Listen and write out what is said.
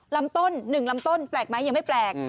ลำต้น๑ลำต้นแปลกไหมยังไม่แปลก